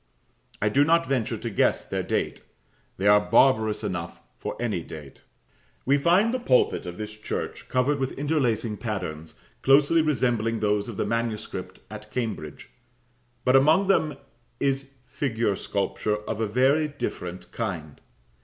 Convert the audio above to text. I do not venture to guess their date; they are barbarous enough for any date. We find the pulpit of this church covered with interlacing patterns, closely resembling those of the manuscript at Cambridge, but among them is figure sculpture of a very different kind.